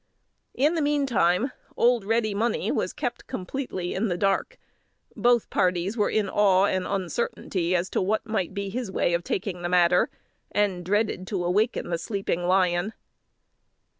In the meantime Old Ready Money was kept completely in the dark; both parties were in awe and uncertainty as to what might be his way of taking the matter, and dreaded to awaken the sleeping lion.